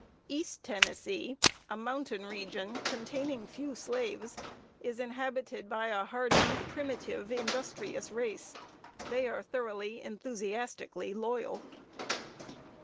East Tennessee, a mountain region, containing few slaves, is inhabited by a hardy, primitive, industrious race. They are thoroughly, enthusiastically loyal.